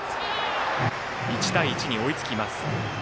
１対１に追いつきます。